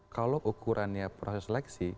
kalau ukurannya proses seleksi